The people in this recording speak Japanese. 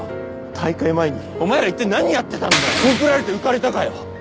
大会前にお前らいったい何やってた告られて浮かれたかよ